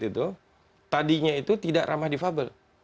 tapi itu tadinya itu tidak ramah disable